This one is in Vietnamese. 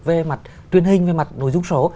về mặt truyền hình về mặt nội dung số